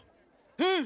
うん！